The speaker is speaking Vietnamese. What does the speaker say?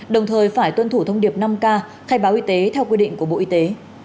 đồng thời phải tuân thủ thông điệp năm k khai báo y tế theo quy định của bộ y tế